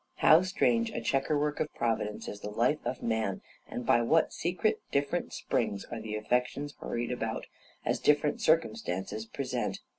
How strange a chequer work of Providence is the life of man! and by what secret different springs are the affections hurried about, as different circumstances present!